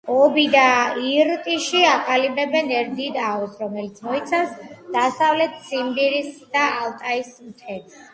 ობი და ირტიში აყალიბებენ ერთ დიდ აუზს, რომელიც მოიცავს დასავლეთ ციმბირს და ალტაის მთებს.